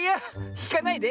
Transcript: ひかないで。